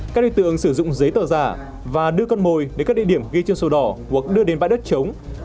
các đối tượng sử dụng giấy tờ giả và đưa con mồi đến các địa điểm ghi trên sổ đỏ hoặc đưa đến bãi đất chống